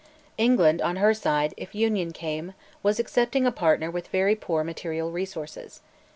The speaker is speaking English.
England, on her side, if Union came, was accepting a partner with very poor material resources.